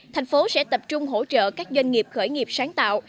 thành phố sẽ tập trung hỗ trợ các doanh nghiệp khởi nghiệp sáng tạo